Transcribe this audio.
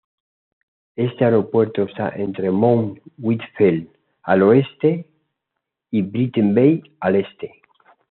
Este aeropuerto está entre Mount Whitfield al oeste y Trinity Bay al este.